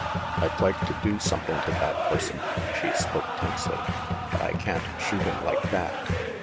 "I'd like to do something to that person," she spoke tensely, "but I can't shoot him like that.